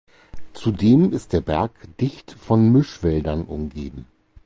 Zudem ist der Berg dicht von Mischwäldern umgeben.